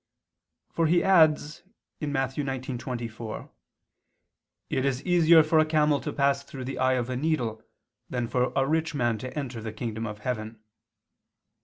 for He adds (Matt. 19:24): "It is easier for a camel to pass through the eye of a needle, than for a rich man to enter into the kingdom of heaven."